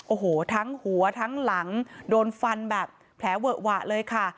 โอ้โหทั้งหัวทั้งหลังโดนฟันแบบแผลเวอะหวะเลยค่ะ